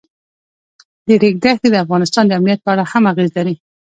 د ریګ دښتې د افغانستان د امنیت په اړه هم اغېز لري.